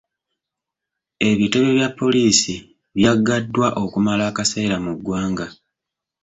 Ebitebe bya poliisi byaggaddwa okumala akaseera mu ggwanga.